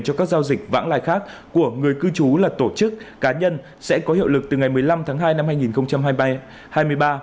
cho các giao dịch vãng lai khác của người cư trú là tổ chức cá nhân sẽ có hiệu lực từ ngày một mươi năm tháng hai năm hai nghìn hai mươi ba